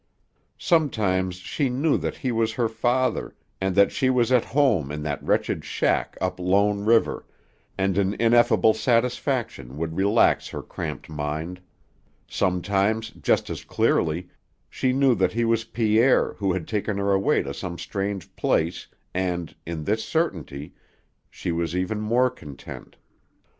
Sometimes she knew that he was her father and that she was at home in that wretched shack up Lone River, and an ineffable satisfaction would relax her cramped mind; sometimes, just as clearly, she knew that he was Pierre who had taken her away to some strange place, and, in this certainty, she was even more content.